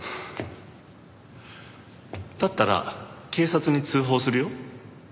だったら警察に通報するよ？